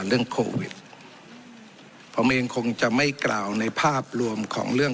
เรื่องโควิดผมเองคงจะไม่กล่าวในภาพรวมของเรื่อง